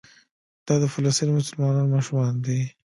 دا د فلسطیني مسلمانانو ماشومان دي.